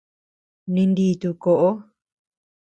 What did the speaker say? Ninditu koʼo.